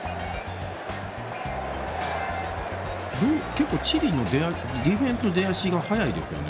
結構、チリのディフェンスので足が速いですよね。